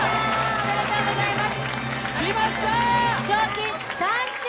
ありがとうございます。